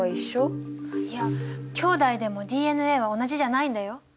いやきょうだいでもＤＮＡは同じじゃないんだよ。